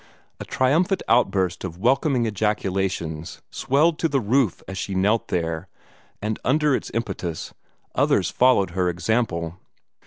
A triumphant outburst of welcoming ejaculations swelled to the roof as she knelt there, and under its impetus others followed her example.